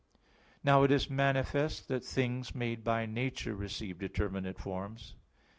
Now it is manifest that things made by nature receive determinate forms.